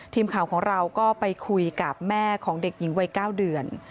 ทีมข่าวของเราก็ไปคุยกับแม่ของเด็กหญิงวัย๙เดือน